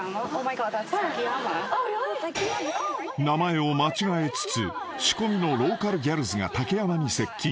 ［名前を間違えつつ仕込みのローカルギャルズが竹山に接近］